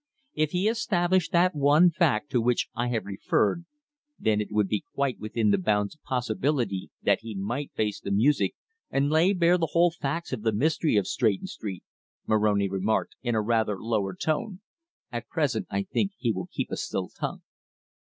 "If he established that one fact to which I have referred, then it would be quite within the bounds of possibility that he might face the music, and lay bare the whole facts of the mystery of Stretton Street," Moroni remarked in a rather lower tone. "At present I think he will keep a still tongue."